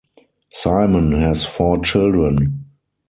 Simon has four children.